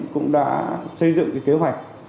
cũng đã xây dựng cái kế hoạch